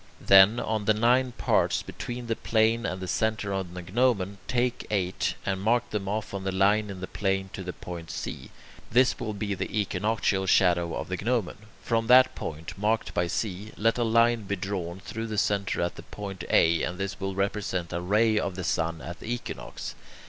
Then, of the nine parts between the plane and the centre on the gnomon, take eight, and mark them off on the line in the plane to the point C. This will be the equinoctial shadow of the gnomon. From that point, marked by C, let a line be drawn through the centre at the point A, and this will represent a ray of the sun at the equinox.